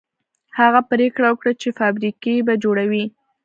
هغه پرېکړه وکړه چې فابريکې به جوړوي.